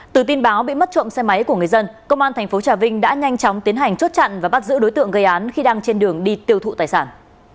từ tin báo bị mất trộm xe máy của người dân công an tp trà vinh đã nhanh chóng tiến hành chốt chặn và bắt giữ đối tượng gây án khi đang trên đường đi tiêu thụ tài sản